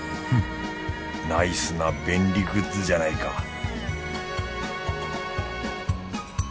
フッナイスな便利グッズじゃないか